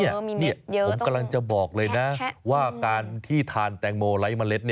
ผมกำลังจะบอกเลยนะว่าการที่ทานแตงโมไร้เมล็ด